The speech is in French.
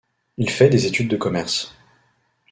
Il fait des études de commerce.